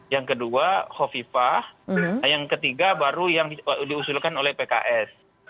yang kedua hovifah yang ketiga baru yang diusulkan oleh pks